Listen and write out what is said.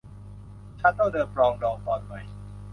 ชาโตว์เดอปรองดอง ตอนใหม่